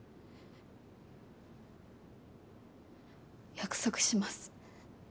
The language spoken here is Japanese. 約束します。